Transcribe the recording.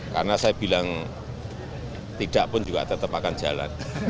karena saya bilang tidak pun juga tetap akan jalan